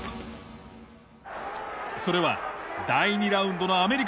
それは第２ラウンドのアメリカ戦。